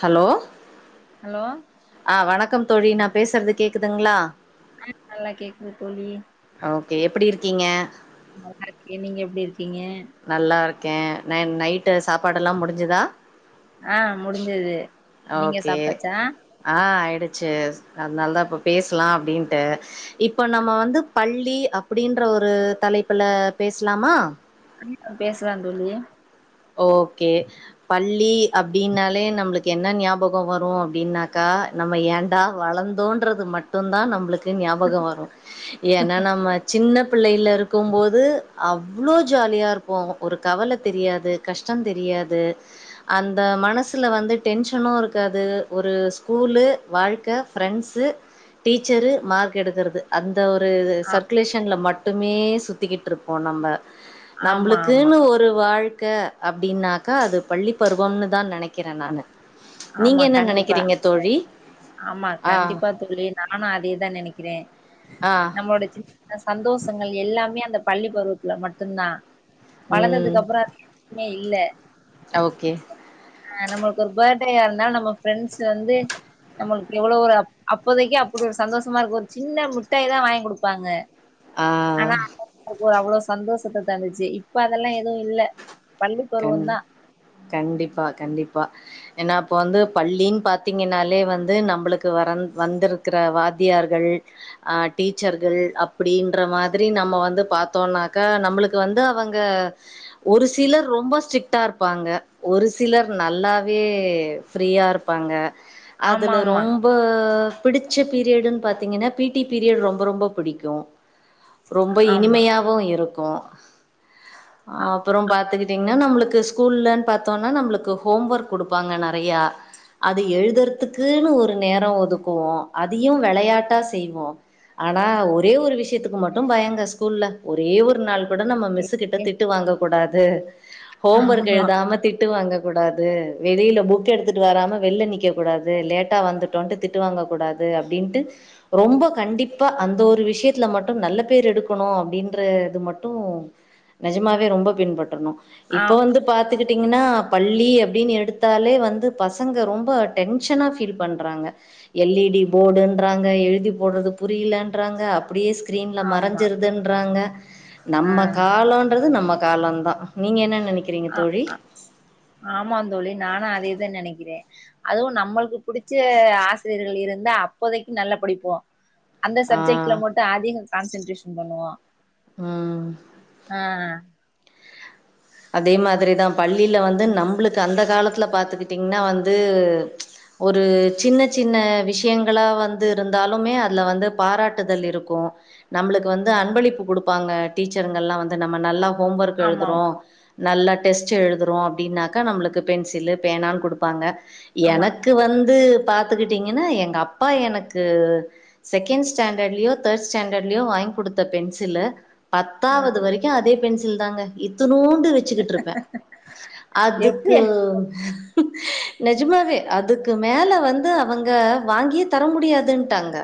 Hello hello ஆவணக்கம் தோழி நா பேசுறது கேக்குதுங்களா ஆ நல்லா கேக்குது தோழி ஓகே எப்டி இருக்கீங்க நல்லாருக்கே நீங்க எப்டி இருக்கீங்க நல்லாருக்கே ந நைட்டு சாப்பாடெல்லா முடிஞ்சுதா ஆ முடிஞ்சது நீங்க ஓகே சாப்ட்டாச்சா ஆ ஆய்டுச்சு அதனால தா இப்ப பேசலான் அப்டின்ட்டு இப்ப நம்ம வந்து பள்ளி அப்டின்ற ஒரு தலைப்புல பேசலாமா பேசலா தோழி ஓகே பள்ளி அப்டின்னாலே நம்ளுக்கு என்ன ஞாபகோ ‌வரு அப்டின்னாக்கா நம்ம ஏன்டா வளந்தோன்றது மட்டுந்தா நம்ளுக்கு ஞாபகோ வரு ஏனா நம்ம சின்ன பிள்ளைல இருக்கும்போது அவ்ளோ ஜாலியாருப்போ ஒரு கவல தெரியாது கஷ்டோ தெரியாது அந்த மனசுல வந்து டென்ஷனு இருக்காது ஒரு ஸ்கூலு வாழ்க்க ஃப்ரெண்ட்ஸு டீச்சரு மார்க் எடுக்குறது அந்த ஒரு ஆ சர்க்குலேஷன்ல மட்டுமே சுத்திக்கிட்ருப்போ நம்ம ஆமா ஆமா நம்ளுக்குனு ஒரு வாழ்க்க அப்டின்னாக்கா அது பள்ளி பருவம்னு தா நெனைக்கிறே நானு நீங்க ஆமா என்ன கண்டிப்பா நெனைக்கிறீங்க தோழி ஆமா ஆ கண்டிப்பா தோழி நானு அதேதா நெனைக்கிறே ஆ நம்மளோட சின் ன சந்தோஷங்கள் எல்லாமே அந்த பள்ளி பருவத்துல மட்டுந்தா ம் வளந்ததுக்கப்றோ மே இல்ல ஓகே ஆ நம்மளுக்கு ஒரு பர்ட்டேயா இருந்தா நம்ம ஃப்ரெண்ட்ஸ் வந்து நம்மளுக்கு எவ்ளோ ஒரு அப்போதைக்கி அப்டி ஒரு சந்தோஷமாருக்கு ஒரு சின்ன மிட்டாய் தா வாய்ன் குடுப்பாங்க ஆ ஆனா அதுக்கு ஒரு அவ்ளோ சந்தோஷத்த தந்துச்சு இப்ப அதெல்லா எது இல்ல பள்ளி கண் பருவந்தா கண்டிப்பா கண்டிப்பா ஏனா அப்ப வந்து பள்ளின்னு பாத்தீங்கனாலே வந்து நம்ளுக்கு வர வந்திருக்கிற வாத்தியார்கள் ஆ டீச்சர்கள் அப்டின்ற மாதிரி நம்ம வந்து பாத்தோனாக்கா நம்ளு க்கு வந்து அவங்க ஒரு சிலர் ரொம்ப ஸ்ட்ரிக்ட்டாருப்பாங்க ஒரு சிலர் நல்லாவே ஃப்ரீயாரு ப்பாங்க ஆமா அதுல ஆமா ரொம் ப பிடிச்ச பீரியடுன்னு பாத்தீங்கன்னா பி டி பீரியட் ரொம்ப ரொம்ப பிடிக்கு ரொம்ப ஆமா இனிமையாவு இருக்கு ஆ அப்றோ பா த்தீங்ன்னா நம்ளுக்கு ஸ்கூல்லனு பாத்தோனா நம்ளுக்கு ஹோம் ஒர்க் குடுப்பாங்க நறையா அது எழுதறதுக்குன்னு ஒரு நேரோ ஒதுக்குவோ அதியு வெளயாட்டா செய்வோ ஆனா ஒரே ஒரு விஷ்யத்துக்கு மட்டு பயங்க ஸ்கூல்ல ஒரே ஒரு நாள் கூட நம்ம மிஸ்சுக்கிட்ட ஏ திட்டு வாங்கக் கூடாது ஹோம் ஒர்க் ஆமா எழுதாம திட் டு வாங்கக்கூடாது வெளில புக் எடுத்துட்டு வராம வெளில நிக்கக் கூடாது லேட்டா வந்து ட்டு வந்ட்டு திட்டு வாங்க கூடாது அப்டின்ட்டு ரொம்ப கண்டிப்பா அந்த ஒரு விஷ்யத்துல மட்டும் நல்ல பேர் எடுக்கணு அப்டின்ற இது மட்டு நெஜமாவே ரொம்ப பின்பற்றணு ஆ இப்ப வந்து பாத் த்துக்கிட்டீங்கனா பள்ளி அப்டின்னு எடுத்தாலே வந்து பசங்க ரொம்ப டென்ஷனா ஃபீல் பண்றாங்க எல் இ டி போடுன்றாங்க எழுதி போட்றது புரியலன்றாங்க அப் ப்டியே ஸ்க்ரீன்ல ஆமா மறஞ்சிருதுன்றாங்க ஆ நம்ம காலன்றது நம்ம காலந்தா நீங்க என்ன நெனைக்கி அ ஆ ஆமாந் தோழி நானு அதேதா நெனைக்கிறே அதுவு நம்மளுக்கு புடிச்ச ஆசிரியர்கள் இருந்தா அப்போதைக்கு நல்லா படிப்போ அந்த ஆ சப்ஜெக்ட்ல மட்டு அதிக கான்சென்ட்ரேஷன் பண்ணுவோ ம் ஆ அதே மாதிரிதா பள்ளில வந்து நம்மளுக்கு அந்த காலத்துல பாத்துக்கிட்டீங்னா வந்து ஒரு சின்ன சின்ன விஷ்யங்களா வந்து இருந்தாலுமே அதுல வந்து பாராட்டுதல் இருக்கு நம்பளுக்கு வந்து அன்பளிப்பு குடுப்பாங்க டீச்சருங்கள்லா வந்து நம்ம நல்லா ஹோம் வொர்க் ஆமா எழுதுறோ நல்லா டெஸ்ட் எழுதுறோ அப்டின்னாக்கா நம்மளுக்கு பென்சிலு பேனான் குடுப்பாங்க ஆமா எனக்கு வந்து பாத்துக்கிட்டீங்கனா எங்கப்பா எனக்கு செகண்ட் ஸ்டாண்டர்ட்லயோ தேர்ட் ஸ்டாண்டர்ட்லயோ வாங்கி குடுத்த பென்சிலு பத்தாவது ம் வரைக்கு அதே பென்சில் தாங்க இத்துனூ ச்சுக்கிட்ருப்பே அதுக்கு எப்டி நெஜமாவே அதுக் க்கு மேல வந்து அவங்க வாங்கியே தர முடியாதுன்டாங்க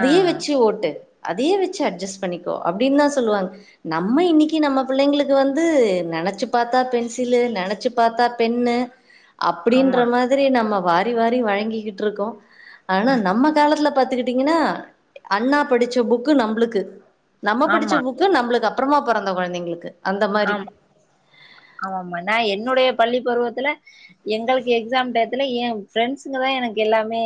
ஆ வெச்சு ஓட்டு அதையே வெச்சு அட்ஜஸ்ட் பண்ணிக்கோ அபடின் தா சொல்லுவாங்க நம்ம இன்னைக்கு நம்ம பிள்ளைங்களுக்கு வந்து அ நெனைச்சு பாத்தா பென்சிலு நெனைச்சு பாத்தா பென்னு அப்டின்ற ஆமா மாதி க்றி நம்ம வாரி வாரி வழங்கிக்கிட்ருக்கோ ஆனா நம்ம காலத்துல பாத்துக்கிட்டு த்தீங்கனா அண்ணா படிச்ச புக்கு நம்பளுக்கு நம்ம படிச்ச ஆமா புக் க்கு நம்பளுக்கு அப்பறமா பெறந்த கொழந்தைங்களுக்கு ஆமா ஆமாம்மா நா என்னுடைய பள்ளி பருவத்துல எங்களுக்கு எக்ஸாம் டயத்துல எ ஃப்ரெண்ட்ஸுங்க தா எனக்கு எல்லாமே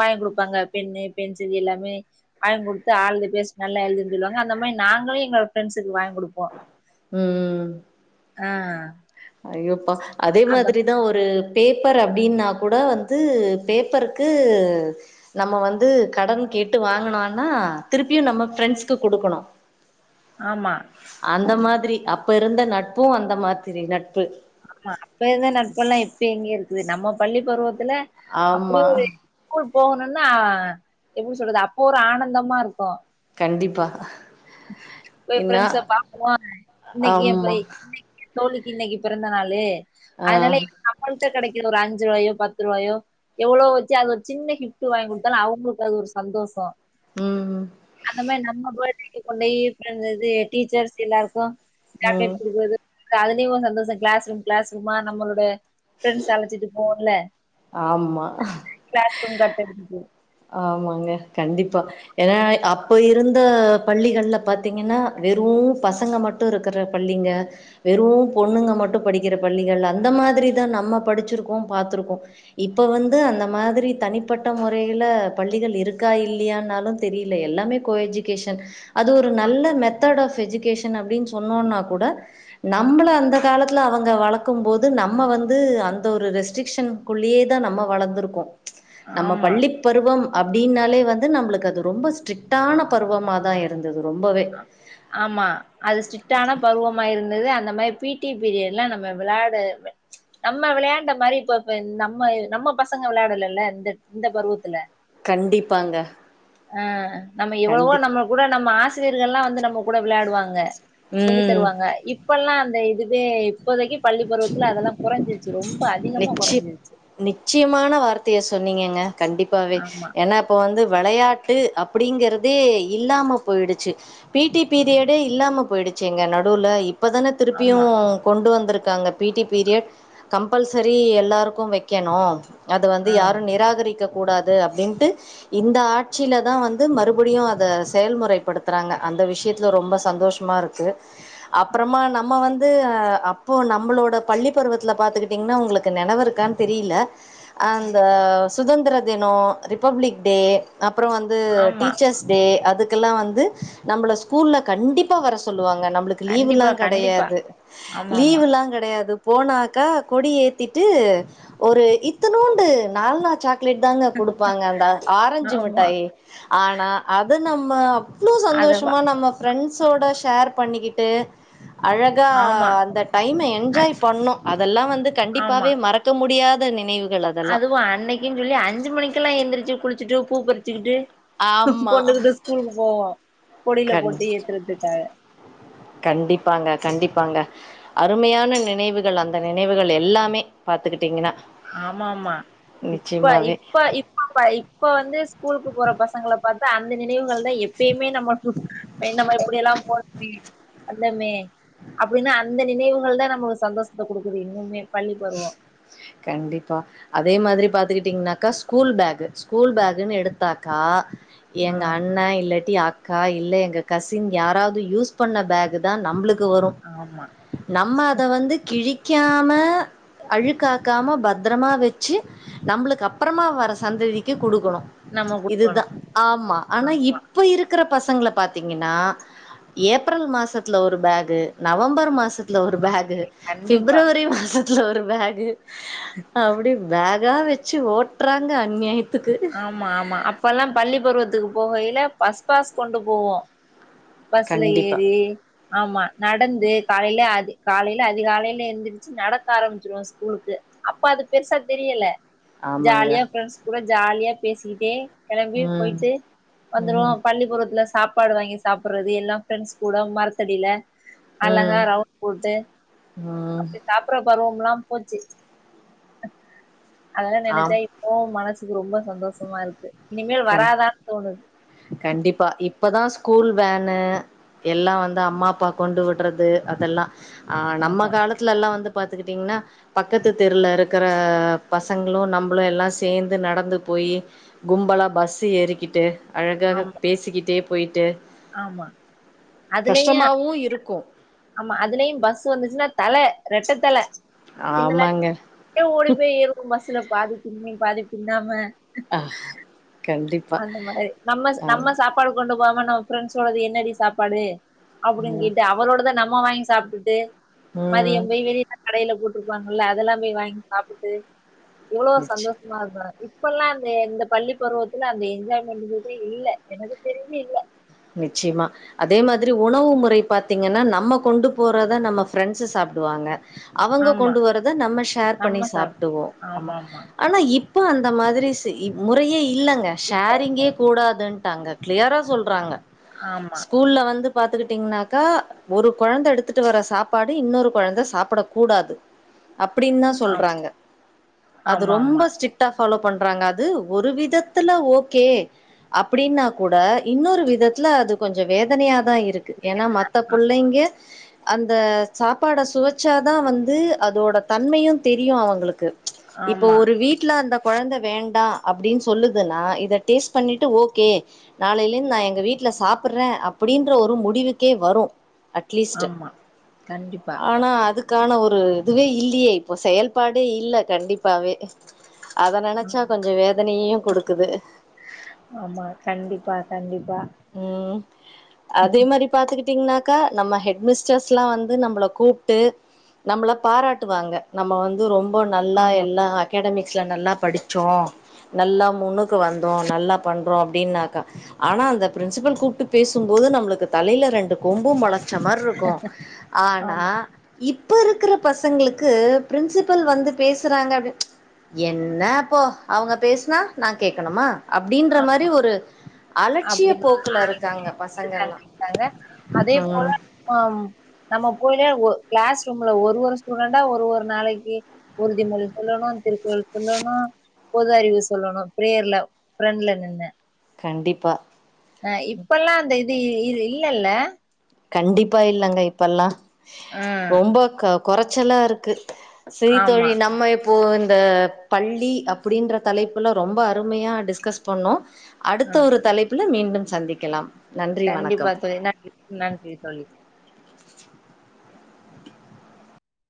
வாங்கி குடுப்பாங்க பெண்ணு பென்சிலு எல்லாமே வாங்கி குடுத்து ஆல் தி பெஸ்ட் நல்லா எழுதின் சொல்லுவாங்க அந்த மாயி நாங்களு எங்க ஃப்ரெண்ஸுக்கு வாங்கி குடுப்போ ம் ஆ ஐயோப்பா அதே அந்த மாதிரிதா ஒரு பேப்பர் அப்டின்னா கூட வந்து பேப்பருக்கு நம்ம வந்து கடன் கேட்டு வாங்குனோனா திருப்பியு நம்ம பிரஃரெண்ட்ஸ்க்கு குடுக்கணு ஆமா அந்த மாதிரி அப்ப இருந்த நட்பு அந்த மாதிரி நட்பு ஆமா அப்ப ‌இருந்த நட்பெல்லா இப்ப எங்கெ இருக்குது நம்ம பள்ளி பருவத்துல ஆமா அப்டியொரு ஸ்கூல் போகணுனா எப்டி சொல்றது அப்போ ஒரு ஆனந்தமா இருக்கு கண்டிப்பாக போய் ஃபிரெண்ட்ஸ பாக்குவா இன்னைக்கே ஆமா போய் தோழிக்கு இன்னைக்கு பிறந்த நாள் ஆ அதனால [inaudible] ஒந்ட்ட கெடைக்குற ஒரு அஞ்சுருவாயோ பத்துருவாயோ எவ்ளோ வச்சு அது ஒரு சின்ன கிஃப்ட் வாங்கி குடுத்தாலு அவங்களுக்கு அது ஒரு சந்தோஷோ ம் அந்த மாரி நம்ம பேர்டேக்கு கொண்டேய்ட்ருந்துது டீச்சர்ஸ் எல்லாருக்கு சாக்லெட் ம் குடுக்குறது கதுலயு ஒரு சந்தோஷோ கிளாஸ் ரூம் கிளாஸ் ரூமா நம்மளோட ஃபிரண்ஸ் அழச்சிட்டு போவன்ல ஆமா க்ளாஸ் ரூம் கட் அடிச்சுட்டு ஆமாங்க கண்டிப்பா ஏனா அப்ப இருந்த பள்ளிகள்ல பாத்தீங்கன்னா வெறூ பசங்க மட் ட்டு இருக்கிற பள்ளிங்க வெறு பொண்ணுங்க மட்டு படிக்கிற பள்ளிகள் அந்த மாதிரிதா நம்ம படிச்சிருக்கோ பாத்துருக்கோ இப்ப வந்து அந்த மாதிரி தனிப்பட்ட முறை யில பள்ளிகள் இருக்கா இல்லையானாலு தெரில எல்லாமே கோ எஜுகேஷன் அது ஒரு நல்ல மெத்தட் ஆஃப் எஜுகேஷன் அப்டின் சொன்னோன்னா கூட நம்மள அந்த காலத்துல அவங்க வளக்கும் போது நம்ம வந்து அந்த ஒரு ரெஸ்ட்ரிக்ஷன் குள்ளயேதா நம்ம வளர்ந்திருக்கோ நம்ம ஆமா பள்ளி பருவம் அப்டின்னாலே வந்து நம்மளுக்கு அது ரொம்ப ஸ்ட்ரிக்டான பருவமாதா இருந்தது ரொம்பவே ! ஆ- ! ! ! ! ஆமா அது ஸ்ட்ரிக்டான பருவமா இருந்தது அந்த மாரி பி டி பீரியட்லா நம்ம விளையாடு நம்ம விளையாண்ட மாரி இப்ப இப்ப இந் நம்ம நம்ம பசங்க விளையாடலல்ல இந்த இந்த பருவத்துல கண்டிப்பாங்க ஆ நம்ம எவ்ளவோ கண்டிப் நம்ம கூட நம்ம ஆசிரியர்கள்லா வந்து நம்ம கூட விளையாடுவாங்க சொல்லி ம் தருவாங்க இப்பெல்லா அந்த இதுவே இப்போதைக்கு பள்ளி பருவத்துல அதெல்லா கொறஞ்சிருச்சு ரொம்ப அதிகமா நிச்சி கொறஞ்சிருச்சு நிச்சயமான வார்த்தைய சொன்னீங்கங்க கண்டிப்பாவே ஆமா ஏனா இப்போ வந்து வெளையாட்டு அப்டிங்கிறதே இல்லாம போயிடுச்சு பி டி பீரியடே இல்லாம போயிடுச்சுங்க நடுவுல இப்பதான திருப்பியு ஆமா கொண்டு வந்துருக் காங்க பி டி பீரியட் கம்பல்சரி எல்லாருக்கும் வைக்கணு அது வந்து ஆம் யாரும் நிராகரிக்க கூடாது அப்டின்ட்டு இந்த ஆட்சியிலதா வந்து மறுபடியு அத செயல்முறைப்படுத்துறாங்க அந்த விஷயத்துல ரொம்ப சந்தோஷ் மாருக்கு அப்றமா நம்ம வந்து அப் ப்போ நம்மளோட பள்ளி பருவத்துல பாத்துக்கிட்டிங்கன்னா உங்களுக்கு நெனவு இருக்கான்னு தெரீல அந்த சுதந்திர தினோ ரிபப்ளிக் டே அப்பறோ வந் து ஆமா டீச்சர்ஸ் டே அதுக்கெல்லா வந்து நம்மள ஸ்கூல்ல கண்டிப்பா வர சொல்லுவாங்க நம்மளுக் கு லீவுல்லா கண்டிப்பா கண்டிப்பா கெடையாது ஆமாமா லா கெடையாது போனாக்கா கொடி ஏத்திட்டு ஒரு இத்துநூண்டு நால்னா சாக் க்லேட் தாங்க குடுப்பாங்க அந்த ஆரஞ்சு ஆமா ஆமா மிட்டாயி ஆனா அது நம்ம வ்ளோ அதவா சந்தோஷமா நம்ம ஃப்ரெண்ட்ஸோட ஷேர் பண்ணிக்கிட்டு அழகா ஆமா அந்த டைம அ என்ஜாய் பண்ணோ அதெல்லா வந்து ஆமா கண்டிப்பாவே மறக்க முடியாத நினைவுகள் அது அதுவு அன்னைக்குன் சொல்லி அஞ்சு மணிக்கெல்லா எந்திரிச்சு குளிச்சுட்டு பூ பறிச்சுக்கிட்டு ஆமா கொண்டுக்குட்டு ஸ்கூலுக்கு போவோ கொடியில கண் போட்டு ஏத்துறதுக்காக கண்டிப்பாங்க கண்டிப்பாங்க அருமையான நினைவுகள் அந்த நினைவுகள் எல்லாமே பாத்துக்கிட்டீங்கன்னா ஆமா ஆமா இப்ப நிச்சயமாவே இப்ப இ மாபா இப்ப வந்து ஸ்கூலுக்கு போற பசங்கள பாத்தா அந்த நினைவுகள் எப்பயுமே நம்மக்கு எ நம்ம எப்டியெல்லா போ பி வந்தமே அப்டின்னா அந்த நினைவுகள் தா நம்மளுக்கு சந்தோஷத்த கொடுக்குது இன்னுமே பள்ளி பருவோ கண்டிப்பா அதே மாதிரி பாத்துக்கிட்டீங்கனாக்கா ஸ்கூல் பேக்கு ஸ்கூல் பேக்குன்னு எடுத்தாக்கா எங்க ம் அண்ண இல்லாட்டி அ க்கா இல்ல எங்க கசின் யாராவது யூஸ் பண்ண பேக்கு தா நம்மளுக்கு வரு ஆமா நம்ம அத வந்து கிழிக்காம அழுக்காக்காம பத்திரமா வெச்சு நம்மளுக்கு அப்புறமா வர சந்ததிக்கு கொடுக்கணு நம்ம இதுதா குடுக்கணு ஆமா ஆனா ஆமா இப்ப இருக்குற பசங்கள பாத்தீங்கன்னா ஏப்ரல் மாசத்துல ஒரு பேக் நவம்பர் மாசத் துல ஒரு ஆ பேக் கண்டிப்பா ஃபிப்ரவரி மாசத்துல ஒரு பேக் அப்டி பேக் கா வெச்சு ஓட்றாங்க அநியாயத்துக்கு ஆமா ஆமா அப்பெல்லா பள்ளி பருவத்துக்கு போகையில பஸ் பாஸ் கொண்டு போவோ பஸ்ல கண்டிப்பா ஏறி ஆமா நடந்து காலையிலயே அது காலையில அதிகாலையில எழுந்திரிச்சு நடக்க ஆரம்பிச்சிருவோ ஸ்கூலுக்கு அப்ப அது பெருசா தெரியல ஆமாங்க ஜாலியா ஃப்ரெண்ட்ஸ் கூட ஜாலியா பேசிக்கிட்டே கெளம்பி ம் போயிட்டு வந்துருவோ ம் பள்ளி பருவத்துல சாப்பாடு வாங்கி சாப்புடுறது எல்லா ஃப்ரெண்ட்ஸ் கூட மரத்தடியில அழகா ம் ரவுண்ட் போட்டு ம் அப்டி சாப் புற பருவம்ல்லா போச்சு அதெல்லா நெனச்சா ஆம் இ ப்போவு மனசுக்கு ரொம்ப சந்தோஷமா இருக்கு இனிமேல் கண் வராதான்னு தோணுது கண்டிப்பா இப்பதா ஸ்கூல் வேன்னு எல்லா வந்து அம்மா அப்பா கொண்டு விடுறது அதெல்லா ஆ நம்ம ஆமா காலத் துல எல்லா வந்து பாத்துக்கிட்டீங்கன்னா பக்கத்து தெருல இருக்கேற பசங்களு நம்மளு எல்லா சேர்ந்து நடந்து போயி கும்பலா பஸ்ஸு ஏறிக்கிட்டு அழகாக ஆமா பேசிக்கிட்டே போயிட்டு ஆமா அதுலயு கஷ்டமாவு இருக்கு ஆமா அதுலயு பஸ்ஸு வந்துச்சுன்னா தல ரெட்ட தல பின்னால ஆமாங்க டியே ஓடி போய் ஏறுனு பஸ்ல பாதி பின்னி பாதி பின்னாம ஆஹ் கண்டிப் அந்த மாரி நம்மச் நம்ம சாப் பாடு கொண்டு போகாம நம்ம ஃப்ரெண்ட்ஸோடது என்னடி சாப்பாடு அப்டின்னு ம் கேட்டு அவளோடத நம் சும்மா வாங்கி சாப்ட்டுட்டு ம் மதியம் போய் வெளியில கடைல போட் குடுப்பாங்கல்ல அதெல்லாமே வாங்கி சாப்டுட்டு எவ்ளோ நிச்ச சந்தோ இப்பொல்லா அந்த இந்த பள்ளி பருவத் இல்ல அந்த என்ஜாய்மெண்ட்டுகுறது இல்ல எனக்கு தெரிஞ்சு இல்ல நிச்சயமா அதே மாதிரி உணவு முறை பாத்தீங்கன்னா நம்ம கொண்டு போறத நம்ம ஃப்ரெண்ட்ஸு சாப்டுவாங்க அவங்க ஆமா கொண்டு வர்றத நம்ம ஷேர் பண்ணி நம்ம சாப் சாப்டுவோ ஆமா ஆமாமா ஆனா இப்போ அந்த மாதிரி சி முறையே இல்லங்க ஷேரிங்கே கூடாதுன்ட்டாங்க க்ளியரா சொல்றாங்க ஆமா ஸ்கூல்ல வந்து பாத்துக்கிட்டீங்கன்னாக்கா ஒரு கொழந்த எடுத்துட்டு வர சாப்பாடு இன்னொரு கொழந்த சாப்புட கூடாது அப்படின் தா ஆம் சொல்றாங்க அது ரொம்ப ஆமாமா ஸ்ட்ரிக் ட்டா ஃபாலோ பண்றாங்க அது ஒரு விதத்துல ஓகே அப்டின்னா கூட இன்னொரு விதத் துல அது கொஞ்சோ வேதனையாதா இருக்கு ஏன்னா மத்த புள்ளைங்க அந்த சாப்பாட சுவச்சாதா வந்து அதோட தன்மையு தெரியு அவங்களுக்கு இப்போ ஆமா ஆமா ஒரு வீட்ல அந்த கொழந்த வேண்டா அப்டின் சொல்லுதுன்னா இத டேஸ்ட் பண்ணிட்டு ஓகே நாளைலேந் நா எங்க வீட் ட்டுல சாப்பிட்ற அப்டின்ற ஒரு முடிவுக்கே வரு அட்லீஸ்ட்டு ஆமா ஆமா கண்டிப்பா ஆனா அதுக் க்கான ஒரு இதுவே இல்லியே இப்போ செயல்பாடே இல்ல கண்டிப்பாவே அத நெனச்சா கொஞ்சோ வேதனயையு குடுக்குது ஆமா கண்டிப்பா கண்டிப்பா ம் அதே மாரி பாத்துக்கிட்டீங்னாக்கா நம்ம ஹெட்மிஸ்டர்ஸ் லா வந்து நம்பள கூப்ட்டு நம்ள பாராட்டுவாங்க நம்ம வந்து ரொம்ப நல்லா ஆமா எல்லா அகடமிக்ஸ்ல நல்லா படிச்சோ நல்லா முன்னுக்கு வந்தோ நல்லா பண்றோ அப்டின்னாக்கா ஆனா அந்த பிரின்சிபல் கூப்ட்டு பேசும்போது நம்ளுக்கு தலைல ரெண்டு கொம்பு மொளைச்ச மாரி இருக்கு ஆனா ஆமா இப்ப இருக்கிற பசங்களுக்கு பிரின்சிபல் வந்து பேசுறாங்க என்ன போ அவங்க பேசுனா நா கேக்கணுமா அப்டின்ற மாரி ஒரு அலச்சிய அப்டின்னு போக்குல இருக்காங்க பசங்கள்லா இருக்காங்க அதே போல ம் அம் நம்ம போயில ஒ க்ளஸ் ரூம்ல ஒரு ஒரு ஸ்டூடெண்டா ஒரு ஒரு நாளைக்கி உறுதிமொழி சொல்லணு திருக்குறள் சொல்லணு பொது அறிவு சொல்லணு ப்ரேயர்ல ப்ரெண்ட்ல நின்னு கண்டிப்பா அ இப்பெல்லா அந்த இது இ இல்லல்ல கண்டிப்பா இல்லங்க இப்பெல்லா ம் ரொம்ப க கொறச்சல்லா இருக்கு சேரி ஆமா தோழி நம்ம இப் போ இந்த பள்ளி அப்டின்ற தலைப்புல ரொம்ப அருமையா டிஸ்கஸ் பண்ணோ அடுத்த ம் ஒரு தலைப்புல மீண்டும் சந்திக்கலாம் நன்றி கண்டிப்பா வணக்கம் தோழி நன்றி நன்றி தோழி